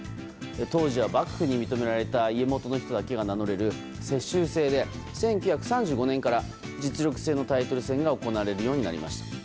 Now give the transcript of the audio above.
当時は幕府に認められた家元の人だけが名乗れる世襲制で、１９３５年から実力性のタイトル戦が行われるようになりました。